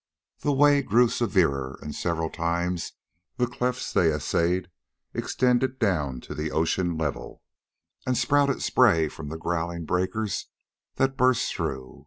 The way grew severer, and several times the clefts they essayed extended down to the ocean level and spouted spray from the growling breakers that burst through.